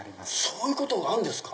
そういうことがあるんですか